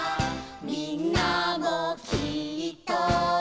「みんなもきっと」